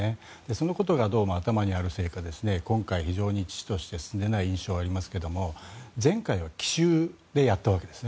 そのことがどうも頭にあるせいか今回非常に遅々として進めない印象がありますが前回は奇襲でやったわけです。